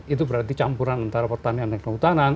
itu berarti campuran antara pertanian dan kehutanan